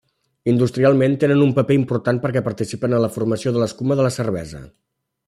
Industrialment tenen un paper important perquè participen en la formació de l’escuma de la cervesa.